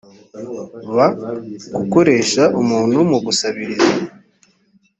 b gukoresha umuntu mu gusabiriza